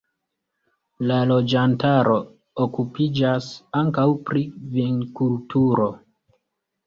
La loĝantaro okupiĝas ankaŭ pri vinkulturo.